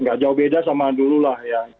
gak jauh beda sama dulu lah ya